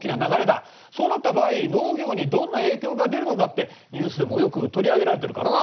そうなった場合農業にどんな影響が出るのかってニュースでもよく取り上げられてるからな。